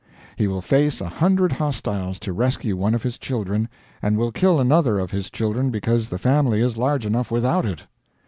He will face a hundred hostiles to rescue one of his children, and will kill another of his children because the family is large enough without it.